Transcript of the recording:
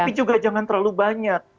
tapi jangan terlalu banyak